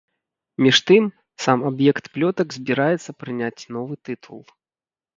Між тым, сам аб'ект плётак збіраецца прыняць новы тытул.